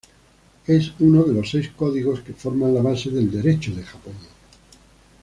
Es uno de los seis códigos que forman la base del Derecho de Japón.